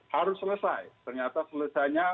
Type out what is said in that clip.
harus selesai ternyata selesai